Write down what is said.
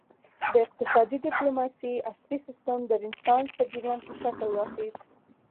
د اقتصادي ډیپلوماسي عصري سیسټم د رینسانس په جریان کې شکل واخیست